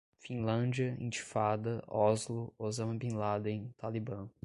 Finlândia, intifada, Oslo, Osama Bin Laden, Talibã